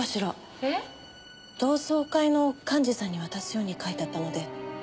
同窓会の幹事さんに渡すように書いてあったので。